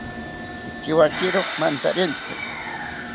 Pikiwakiro mantarentzi